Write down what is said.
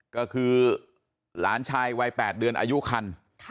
ก็คือหลานชายวัย๘เดือนอายุคัน